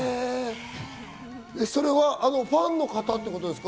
それはファンの方ってことですか？